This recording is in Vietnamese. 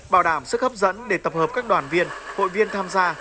bảo đảm sức hấp dẫn để tập hợp các đoàn viên hội viên tham gia